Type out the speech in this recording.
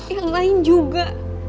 yang lain juga